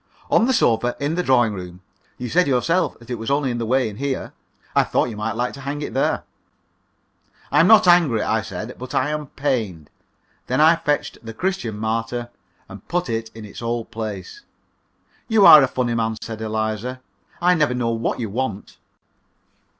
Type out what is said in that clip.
"On the sofa in the drawing room. You said yourself that it was only in the way in here. I thought you might like to hang it there." "I am not angry," I said, "but I am pained." Then I fetched the "Christian Martyr" and put it in its old place. "You are a funny man," said Eliza; "I never know what you want."